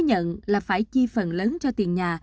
nhận là phải chi phần lớn cho tiền nhà